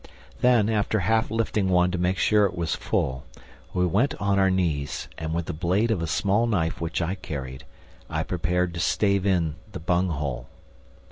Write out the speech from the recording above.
Then, after half lifting one to make sure it was full, we went on our knees and, with the blade of a small knife which I carried, I prepared to stave in the bung hole.